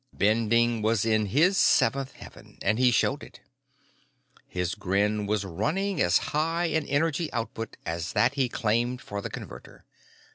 Bending was in his seventh heaven, and he showed it. His grin was running as high an energy output as that he claimed for the Converter.